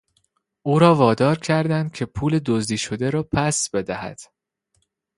او را وادار کردند که پول دزدی شده را پس بدهد.